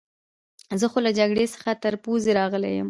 زه خو له جګړې څخه تر پوزې راغلی یم.